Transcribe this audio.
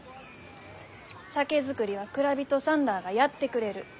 酒造りは蔵人さんらあがやってくれる。